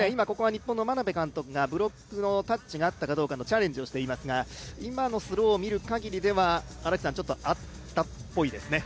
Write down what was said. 日本の眞鍋監督がブロックタッチがあったかどうかのチャレンジをしていますが、今のスローを見る限りではちょっとあったっぽいですね。